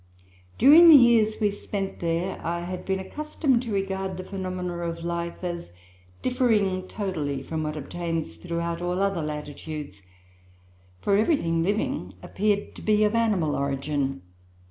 During the years we spent there, I had been accustomed to regard the phenomena of life as differing totally from what obtains throughout all other latitudes, for everything living appeared to be of animal origin.